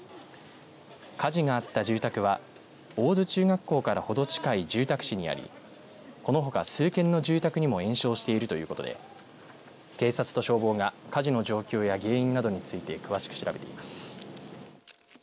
火事があった住宅は大津中学校からほど近い住宅地にありそのほか数軒の住宅にも延焼しているということで警察と消防が火事の状況や原因などについて詳しく調べています。